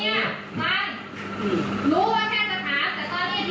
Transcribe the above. แล้ววันนี้เขาไม่ได้อยู่ที่นี่